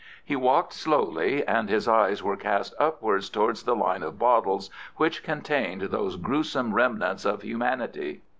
He walked slowly, and his eyes were cast upwards towards the line of bottles which contained those gruesome remnants of humanity.